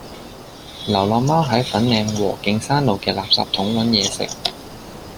流浪貓喺粉嶺禾徑山路嘅垃圾桶搵野食